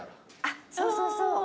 そうそうそう。